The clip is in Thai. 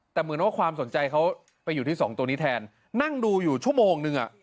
แต่เหมือนว่าความสนใจเขาไปอยู่ที่สองตัวนี้แทนนั่งดูอยู่ชั่วโมงนึง